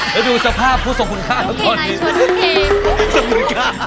นี่ดูสภาพผู้สมคุณค่าทั้งหมดนี่สมคุณค่า